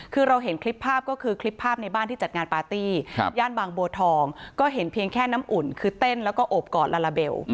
คือเราเห็นคลิปภาพก็คือคลิปภาพในบ้านที่จัดงานปาร์ตี้ย่านบางบัวทองก็เห็นเพียงแค่น้ำอุ่นคือเต้นแล้วก็โอบกอดลาลาเบล